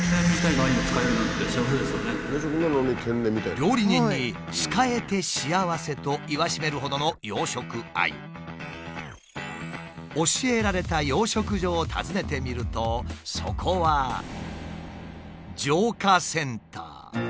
料理人に「使えて幸せ」と言わしめるほどの養殖アユ。教えられた養殖所を訪ねてみるとそこは浄化センター。